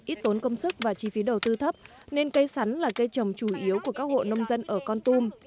ít tốn công sức và chi phí đầu tư thấp nên cây sắn là cây trồng chủ yếu của các hộ nông dân ở con tum